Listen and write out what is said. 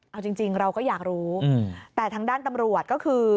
เอาจริงเราก็อยากรู้แต่ทางด้านตำรวจก็คือ